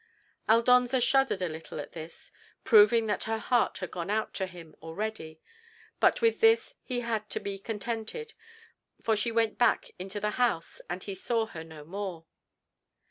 Aldonza shuddered a little at this, proving that her heart had gone out to him already, but with this he had to be contented, for she went back into the house, and he saw her no more.